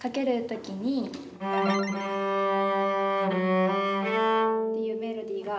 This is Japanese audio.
『威風堂々』っていうメロディーが。